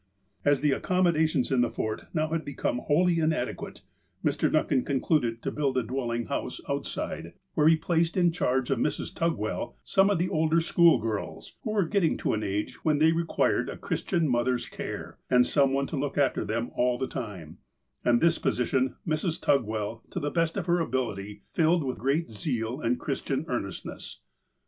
As the accommodations in the Fort now had become wholly inadequate, Mr. Duncan concluded to build a FIRST FRUITS 143 dwelling house outside, where he placed in charge of Mrs. Tugwell some of the older schoolgirls, who were getting to an age when they required a Christian mother's care, and some one to look after them all the time, and this position Mrs. Tugwell, to the best of her ability, filled with great zeal and Christian earnestness.